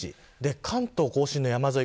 関東甲信の山沿い